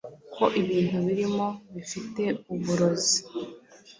ko ibintu birimo bifite uburozi